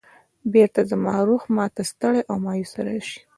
بېرته زما روح ما ته ستړی او مایوسه راشي.